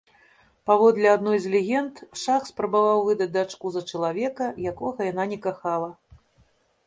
Паводле адной з легенд шах спрабаваў выдаць дачку за чалавека, якога яна не кахала.